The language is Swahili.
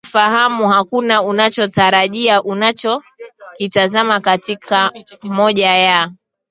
kuyafahamu Hakuna unachokitarajia unachokitazamia katika moja ya